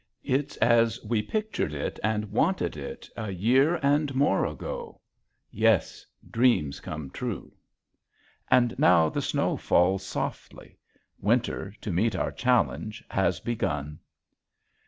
It's as we pictured it and wanted it a year and more ago, yes, dreams come true. And now the snow falls softly. Winter, to meet our challenge, has begun.